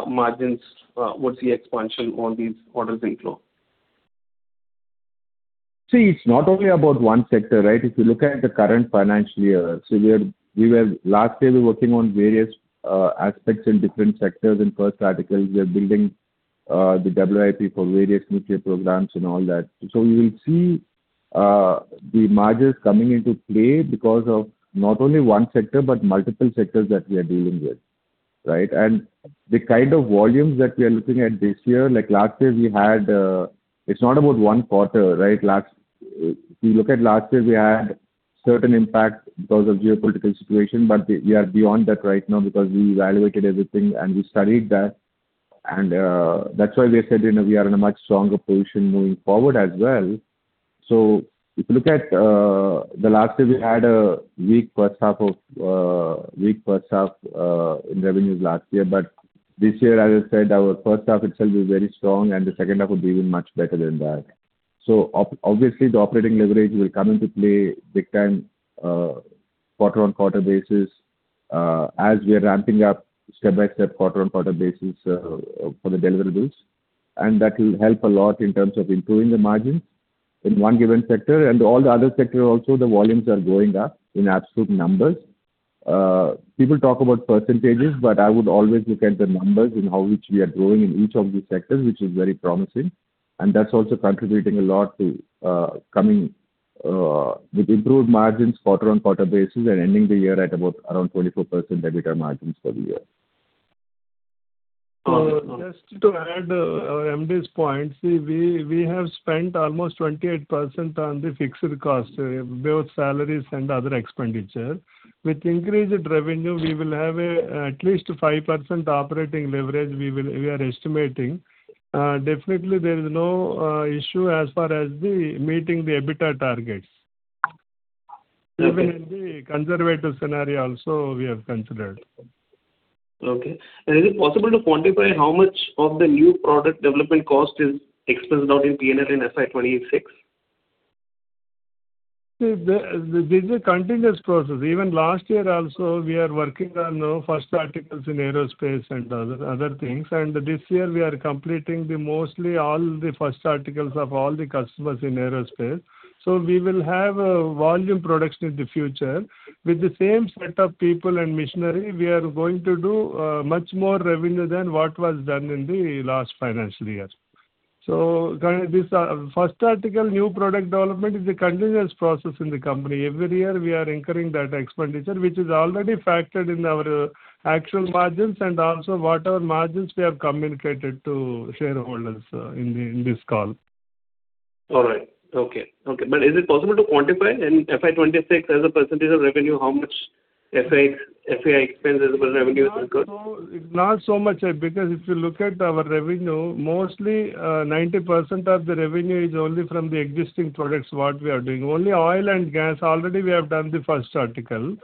margins would see expansion on these orders inflow? It's not only about one sector, right? If you look at the current financial year, last year we were working on various aspects in different sectors. In first articles, we are building the WIP for various nuclear programs and all that. We will see the margins coming into play because of not only one sector, but multiple sectors that we are dealing with, right? The kind of volumes that we are looking at this year, like last year we had. It's not about one quarter, right? If you look at last year, we had certain impact because of geopolitical situation. We are beyond that right now because we evaluated everything and we studied that. That's why we have said, you know, we are in a much stronger position moving forward as well. If you look at the last year, we had a weak first half in revenues last year. This year, as I said, our first half itself is very strong, and the second half would be even much better than that. Obviously, the operating leverage will come into play big time, quarter on quarter basis, as we are ramping up step by step, quarter on quarter basis, for the deliverables. That will help a lot in terms of improving the margins in one given sector. All the other sector also, the volumes are going up in absolute numbers. People talk about percentages, but I would always look at the numbers in how which we are growing in each of these sectors, which is very promising. That's also contributing a lot to coming with improved margins quarter on quarter basis and ending the year at about around 24% EBITDA margins for the year. Just to add, our MD's point. See, we have spent almost 28% on the fixed cost, both salaries and other expenditure. With increased revenue, we will have at least 5% operating leverage we are estimating. Definitely there is no issue as far as the meeting the EBITDA targets. Even in the conservative scenario also we have considered. Okay. Is it possible to quantify how much of the new product development cost is expensed out in P&L in FY 2026? This is a continuous process. Last year also, we are working on the first articles in aerospace and other things. This year we are completing the mostly all the first articles of all the customers in aerospace. We will have a volume production in the future. With the same set of people and machinery, we are going to do much more revenue than what was done in the last financial year. This first article new product development is a continuous process in the company. Every year we are incurring that expenditure, which is already factored in our actual margins and also what our margins we have communicated to shareholders in this call. All right. Okay. Okay. Is it possible to quantify in FY 2026 as a % of revenue, how much FY expense as a % revenue is incurred? Not so, not so much, because if you look at our revenue, mostly, 90% of the revenue is only from the existing products, what we are doing. Only oil and gas already we have done the first article.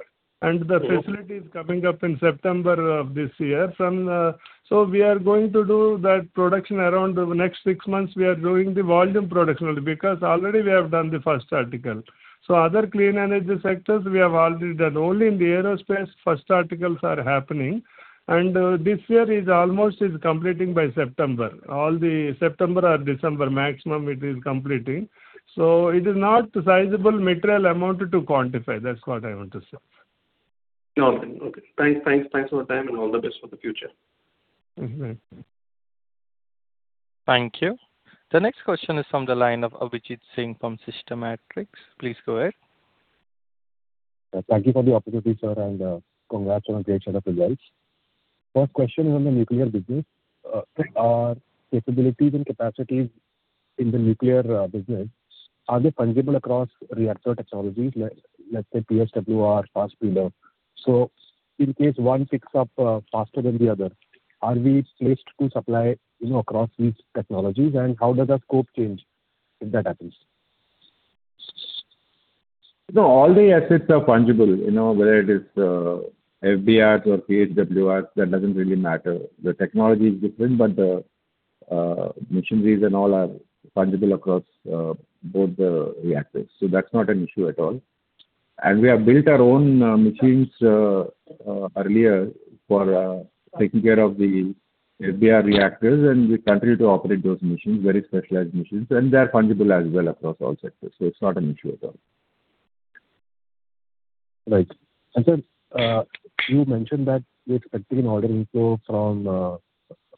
Okay. The facility is coming up in September of this year. We are going to do that production around the next 6 months, we are doing the volume production only because already we have done the 1st article. Other clean energy sectors we have already done. Only in the aerospace 1st articles are happening. This year is almost completing by September. All the September or December maximum it is completing. It is not sizable material amount to quantify. That's what I want to say. Okay. Thanks for the time. All the best for the future. Thank you. The next question is from the line of Abhijeet Singh from Systematics. Please go ahead. Thank you for the opportunity, sir, and congrats on a great set of results. First question is on the nuclear business. Are capabilities and capacities. In the nuclear business, are they fungible across reactor technologies, let's say, PHWR, fast breeder? In case one picks up faster than the other, are we placed to supply, you know, across these technologies? How does the scope change if that happens? No, all the assets are fungible. You know, whether it is FBRs or PHWRs, that doesn't really matter. The technology is different, but the machineries and all are fungible across both the reactors. That's not an issue at all. We have built our own machines earlier for taking care of the FBR reactors, and we continue to operate those machines, very specialized machines, and they're fungible as well across all sectors. It's not an issue at all. Right. Sir, you mentioned that you're expecting an order inflow from,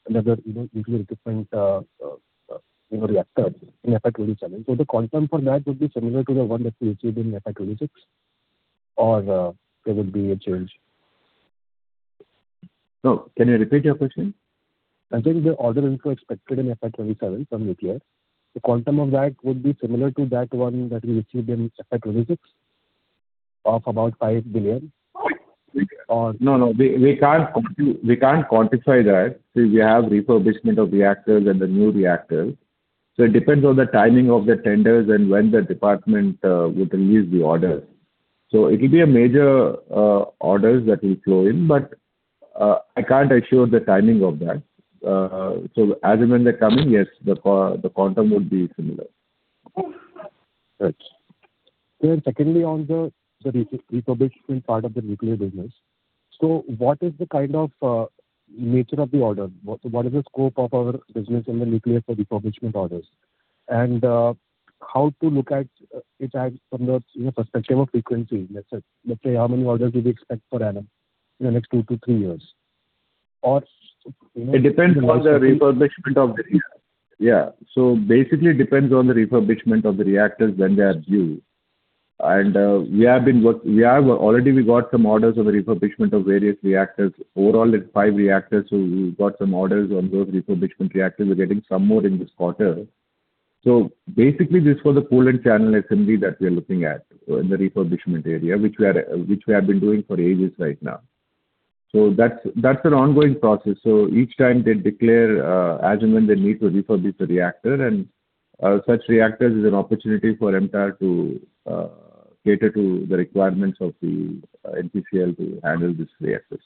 another, you know, nuclear different, you know, reactor in FY 2027. The quantum for that would be similar to the one that we received in FY 2026 or, there would be a change? No. Can you repeat your question? The order inflow expected in FY 2027 from nuclear, the quantum of that would be similar to that one that we received in FY 2026 of about 5 billion. No, no. We can't quantify that since we have refurbishment of reactors and the new reactors. It depends on the timing of the tenders and when the department would release the order. It'll be a major orders that will flow in, but I can't assure the timing of that. As and when they're coming, yes, the quantum would be similar. Right. Secondly, on the refurbishment part of the nuclear business. What is the kind of nature of the order? What is the scope of our business in the nuclear for refurbishment orders? How to look at it as from the, you know, perspective of frequency, let's say. Let's say how many orders do we expect per annum in the next 2 to 3 years? Or, you know. It depends on the refurbishment of the reactor. Yeah. Basically it depends on the refurbishment of the reactors when they are due. We already got some orders of the refurbishment of various reactors. Overall it's 5 reactors. We got some orders on those refurbishment reactors. We're getting some more in this quarter. Basically this for the coolant channel assembly that we are looking at in the refurbishment area, which we have been doing for ages right now. That's an ongoing process. Each time they declare as and when they need to refurbish the reactor and such reactors is an opportunity for MTAR to cater to the requirements of the NPCL to handle these reactors.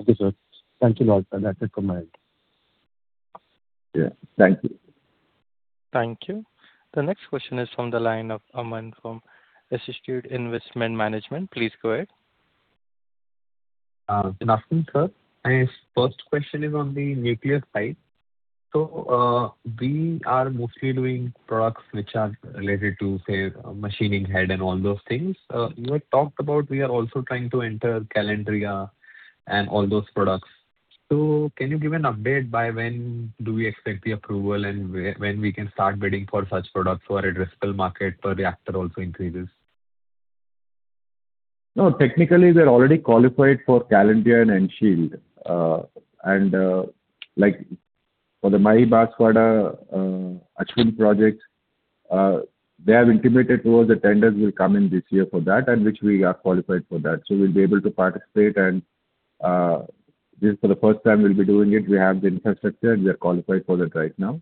Okay, sir. Thank you a lot. That is it from my end. Yeah. Thank you. Thank you. The next question is from the line of Aman from Institute Investment Management. Please go ahead. Good afternoon, sir. My first question is on the nuclear side. We are mostly doing products which are related to, say, machining head and all those things. You had talked about we are also trying to enter Calandria and all those products. Can you give an update by when do we expect the approval and when we can start bidding for such products so our addressable market per reactor also increases? Technically, we are already qualified for Calandria and end shield. Like for the Mahi Banswara, Achin project, they have intimated to us the tenders will come in this year for that, and which we are qualified for that. We'll be able to participate and this for the first time we'll be doing it. We have the infrastructure, and we are qualified for that right now.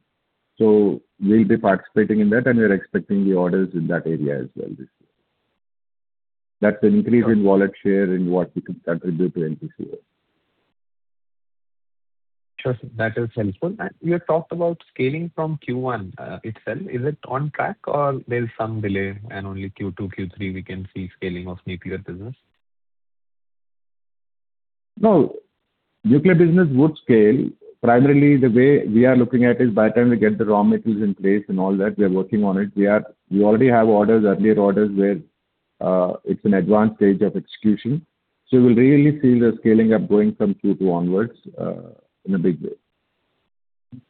We'll be participating in that, and we are expecting the orders in that area as well this year. An increase in wallet share and what we could contribute to NPCIL. Sure. That is helpful. You had talked about scaling from Q1 itself. Is it on track or there's some delay and only Q2, Q3 we can see scaling of nuclear business? Nuclear business would scale. Primarily the way we are looking at is by the time we get the raw materials in place and all that, we are working on it. We already have orders, earlier orders where it's an advanced stage of execution. We'll really see the scaling up going from Q2 onwards in a big way.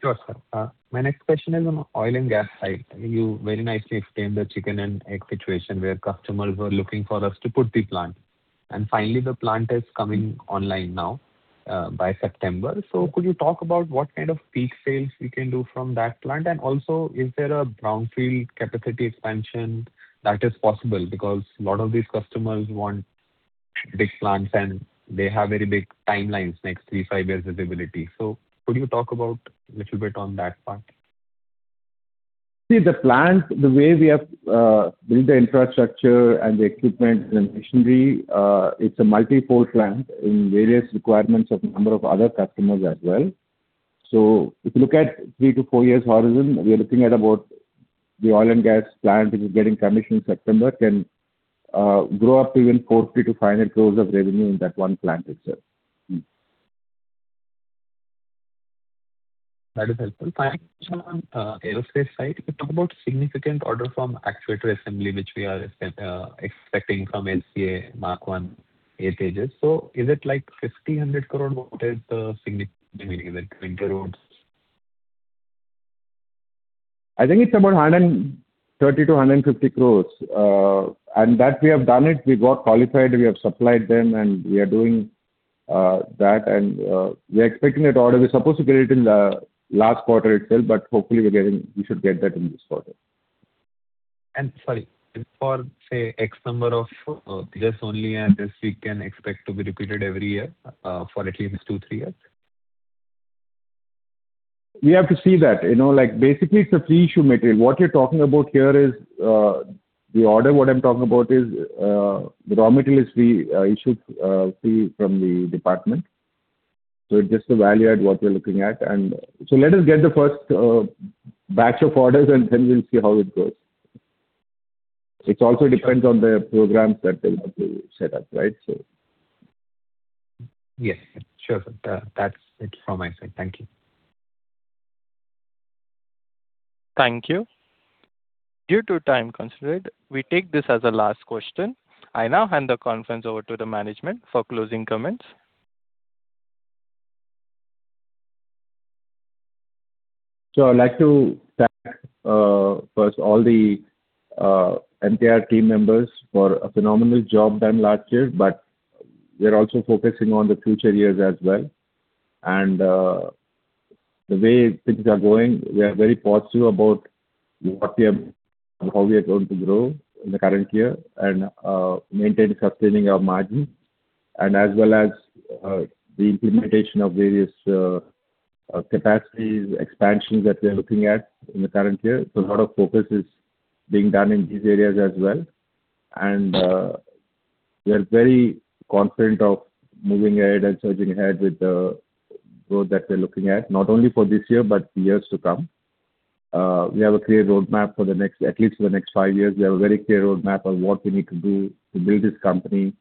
Sure, sir. My next question is on oil and gas side. You very nicely explained the chicken and egg situation where customers were looking for us to put the plant. Finally, the plant is coming online now, by September. Could you talk about what kind of peak sales we can do from that plant? Also, is there a brownfield capacity expansion that is possible? Because a lot of these customers want big plants, and they have very big timelines, next three, five years visibility. Could you talk about little bit on that part? See the plant, the way we have built the infrastructure and the equipment and machinery, it's a multi-port plant in various requirements of a number of other customers as well. If you look at 3 to 4 years horizon, we are looking at about the oil and gas plant, which is getting commissioned in September, can grow up to even 40-50 crores of revenue in that one plant itself. That is helpful. Final question on aerospace side. You talked about significant order from actuator assembly, which we are expecting from LCA Tejas Mk-1A stages. Is it like INR 50, INR 100 crore? What is the significant meaning? Is it INR 20 crores? I think it's about 130 crores-150 crores. That we have done it, we got qualified, we have supplied them, and we are doing that. We're expecting that order. We're supposed to get it in the last quarter itself, but hopefully we should get that in this quarter. Sorry, for, say, X number of this only and this we can expect to be repeated every year, for at least two, three years? We have to see that. You know, like, basically it's a free issue material. What you're talking about here is, the order what I'm talking about is, the raw material is free, issued, free from the department. It's just the value add what we're looking at. Let us get the first batch of orders, and then we'll see how it goes. It also depends on the programs that they want to set up, right? Yes, sure. That's it from my side. Thank you. Thank you. Due to time constraint, we take this as a last question. I now hand the conference over to the management for closing comments. I'd like to thank, first all the MTAR team members for a phenomenal job done last year, but we're also focusing on the future years as well. The way things are going, we are very positive about what we have and how we are going to grow in the current year and maintain sustaining our margin and as well as the implementation of various capacities, expansions that we are looking at in the current year. A lot of focus is being done in these areas as well. We are very confident of moving ahead and surging ahead with the growth that we're looking at, not only for this year, but years to come. We have a clear roadmap for at least for the next five years, we have a very clear roadmap on what we need to do to build this company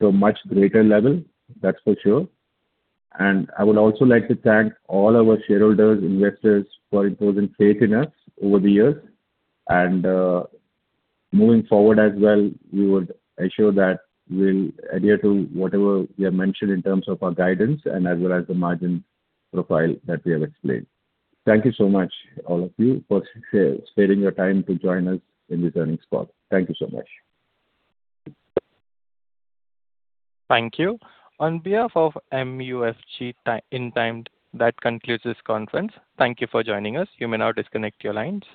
to a much greater level. That's for sure. I would also like to thank all our shareholders, investors for imposing faith in us over the years. Moving forward as well, we would ensure that we will adhere to whatever we have mentioned in terms of our guidance and as well as the margin profile that we have explained. Thank you so much all of you for sharing your time to join us in this earnings call. Thank you so much. Thank you. On behalf of MUFG Ti- Intime, that concludes this conference. Thank you for joining us. You may now disconnect your lines.